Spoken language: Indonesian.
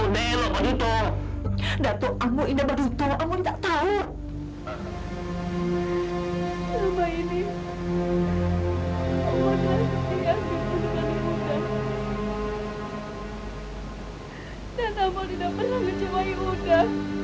dan tak mau tidak pernah menjemahi muda